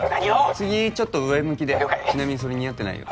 次ちょっと上向きでちなみにそれ似合ってないよ